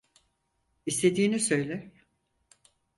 İstediğini söyle.